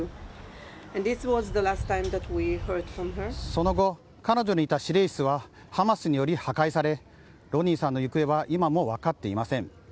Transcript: その後、彼女のいた司令室はハマスにより破壊されロニーさんの行方は今も分かっていません。